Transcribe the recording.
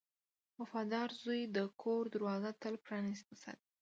• وفادار زوی د کور دروازه تل پرانستې ساتي.